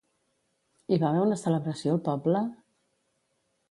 Hi va haver una celebració al poble?